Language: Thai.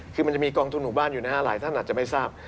คือมันจะมีกองทุนหมู่บ้านอยู่นะฮะหลายท่านอาจจะไม่ทราบ